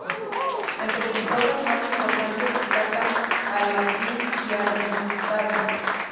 Entre sus obras más importantes destacan "al-Matin" y "al-Muqtabis".